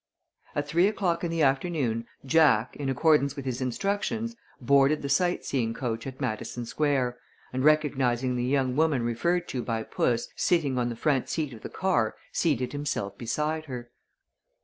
At three o'clock in the afternoon Jack, in accordance with his instructions, boarded the sight seeing coach at Madison Square, and, recognizing the young woman referred to by puss sitting on the front seat of the car, seated himself beside her.